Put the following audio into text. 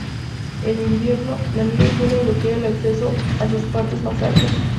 En invierno, la nieve suele bloquear el acceso a sus partes más altas.